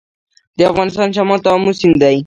د افغانستان شمال ته امو سیند دی